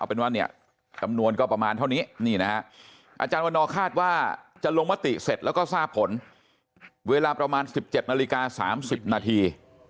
เป็นว่าเนี่ยจำนวนก็ประมาณเท่านี้นี่นะฮะอาจารย์วันนอคาดว่าจะลงมติเสร็จแล้วก็ทราบผลเวลาประมาณ๑๗นาฬิกา๓๐นาที